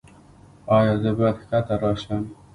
ایا زه باید ښکته راشم؟